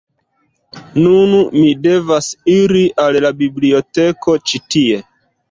Nun, mi devas iri al la biblioteko ĉi tie